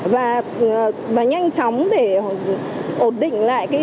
và nhanh chóng để ổn định lại